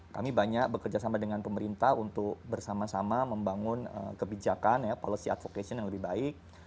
kami banyak bekerja sama dengan pemerintah untuk bersama sama membangun kebijakan policy advocation yang lebih baik